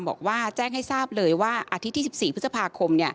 บอกว่าแจ้งให้ทราบเลยว่าอาทิตย์ที่๑๔พฤษภาคม